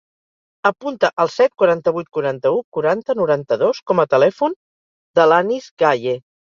Apunta el set, quaranta-vuit, quaranta-u, quaranta, noranta-dos com a telèfon de l'Anis Gaye.